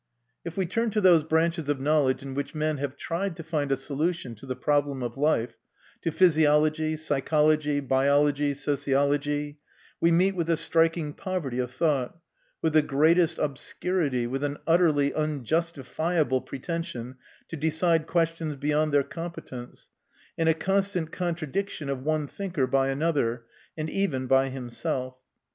If we turn to those branches of knowledge in which men have tried to find a solution to the problem of life, to physiology, psychology, biology, sociology, we meet with a striking poverty of thought, with the greatest obscurity, with an utterly unjustifiable pretension to decide questions beyond their competence, and a constant contradiction of one thinker by another, and even by himself.